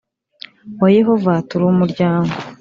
Wa yehova turi umuryango